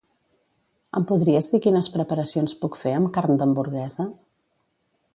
Em podries dir quines preparacions puc fer amb carn d'hamburguesa?